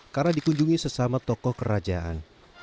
karena dikunjungi sesama tokoh kerajaan